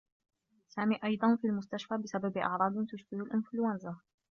سامي أيضا في المستشفى بسبب أعراض تشبه الانفلونزا.